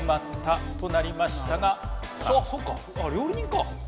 あっ料理人か。